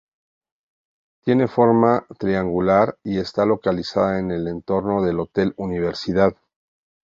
Tiene forma triangular y está localizada en el entorno del Hotel Universidad.